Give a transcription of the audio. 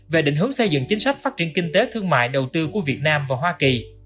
về định hướng xây dựng chính sách phát triển kinh tế thương mại đầu tư của việt nam và hoa kỳ